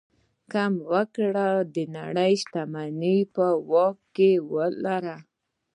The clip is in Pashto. کم وګړي د نړۍ شتمني په واک لري.